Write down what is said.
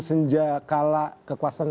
senja kala kekuasaan